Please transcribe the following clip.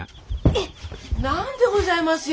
何でございます？